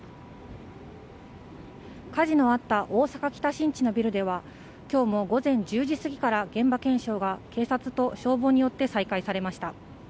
火事のあった大阪・北新地のビルでは、今日も午前１０時過ぎから現場検証が警察と消防によって再開されました。